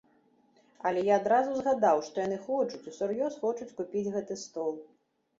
Але я адразу згадаў, што яны хочуць, усур'ёз хочуць купіць гэты стол.